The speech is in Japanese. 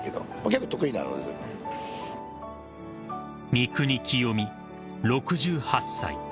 ［三國清三６８歳］